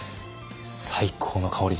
最高の香り。